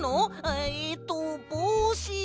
えっとぼうし。